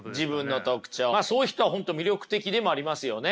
まあそういう人は本当魅力的でもありますよね。